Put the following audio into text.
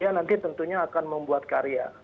ya nanti tentunya akan membuat karya